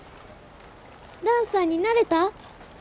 ダンサーになれた？